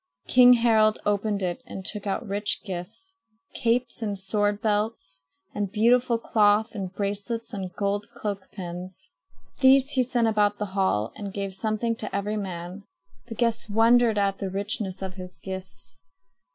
King Harald opened it and took out rich gifts capes and sword belts and beautiful cloth and bracelets and gold cloak pins. These he sent about the hall and gave something to every man. The guests wondered at the richness of his gifts.